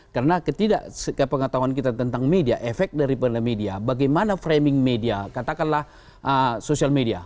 karena ketidakseka pengetahuan kita tentang media efek dari media bagaimana framing media katakanlah sosial media